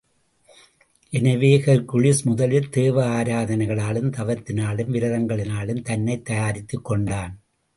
எனவே, ஹெர்க்குலிஸ் முதலில் தேவ ஆராதனைகளாலும், தவத்தினாலும், விரதங்களினாலும் தன்னைத் தயாரித்துக்கொண்டான்.